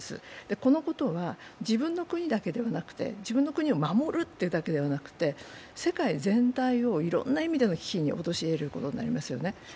このことは、自分の国だけではなくて自分の国を守るということだけではなくて、世界全体をいろんな意味での危機に陥れることになりますよね。